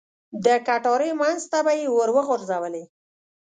د کټارې منځ ته به یې ور وغوځولې.